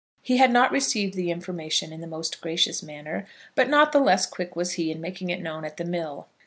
He had not received the information in the most gracious manner; but not the less quick was he in making it known at the mill.